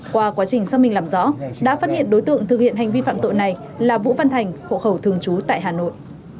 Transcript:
qua quá trình xác minh làm rõ đã phát hiện đối tượng thực hiện hành vi phạm tội này là vũ văn thành hộ khẩu thường trú tại hà nội